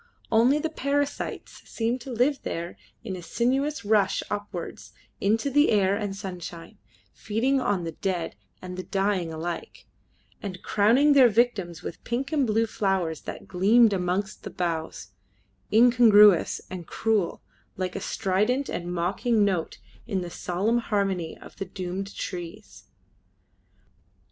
Only the parasites seemed to live there in a sinuous rush upwards into the air and sunshine, feeding on the dead and the dying alike, and crowning their victims with pink and blue flowers that gleamed amongst the boughs, incongruous and cruel, like a strident and mocking note in the solemn harmony of the doomed trees.